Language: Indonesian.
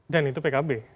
dan itu pkb